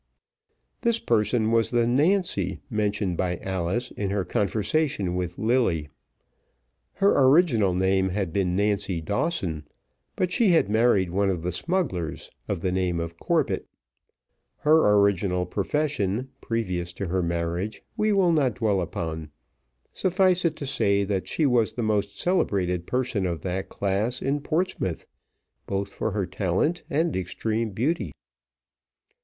This person was the Nancy mentioned by Alice in her conversation with Lilly. Her original name had been Nancy Dawson, but she had married one of the smugglers, of the name of Corbett. Her original profession, previous to her marriage, we will not dwell upon; suffice it to say, that she was the most celebrated person of that class in Portsmouth, both for her talent and extreme beauty.